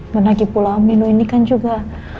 menagih pula om nino ini kan juga